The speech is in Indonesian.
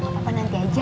gak apa apa nanti aja